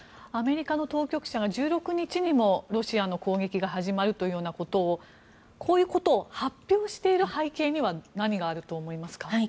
アメリカの当局者が１６日にもロシアの攻撃が始まるというようなことをこういうことを発表している背景には何があると思いますか？